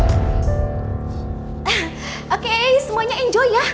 oke semuanya enjoy ya